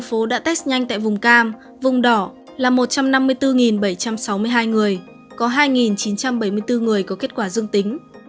số đã test nhanh tại vùng cam vùng đỏ là một trăm năm mươi bốn bảy trăm sáu mươi hai người có hai chín trăm bảy mươi bốn người có kết quả dương tính